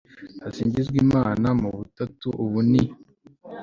hasingizwe imana mu batatu; ubu ni